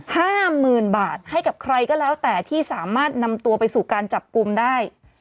ห้าหมื่นบาทให้กับใครก็แล้วแต่ที่สามารถนำตัวไปสู่การจับกลุ่มได้